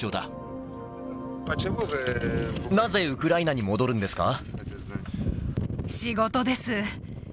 なぜウクライナに戻るんです仕事です。